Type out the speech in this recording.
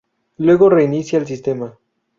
Luego reinicia el sistema.